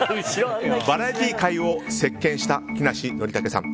バラエティー界を席巻した木梨憲武さん。